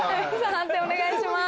判定お願いします。